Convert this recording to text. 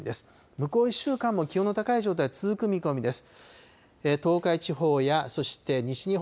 向こう１週間も、気温の高い状態は続く見込みです。